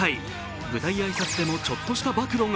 舞台挨拶でもちょっとした暴露が。